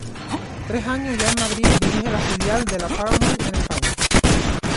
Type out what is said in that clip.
Tres años, ya en Madrid, dirige la filial de la Paramount en España.